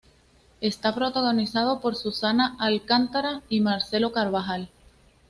Está protagonizado por Susana Alcántara y Marcelo Carvajal.